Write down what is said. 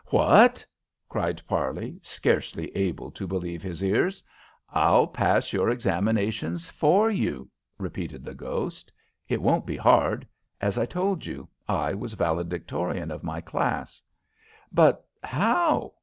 _" "What?" cried Parley, scarcely able to believe his ears. "I'll pass your examinations for you," repeated the ghost. "It won't be hard. As I told you, I was valedictorian of my class." "But how?"